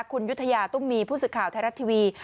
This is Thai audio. คุณยุธยาตุ้มมีผู้สื่อข่าวไทยรัฐทีวี